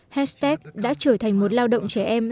hestet đã trở thành một lao động trẻ em